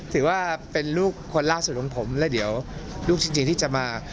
ถือว่าเป็นลูกคนล่าสุดของผมแล้วเดี๋ยวลูกจริงที่จะมา